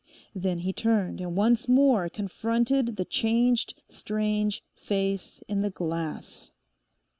Then he turned and once more confronted the changed strange face in the glass.